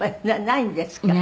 ないんです。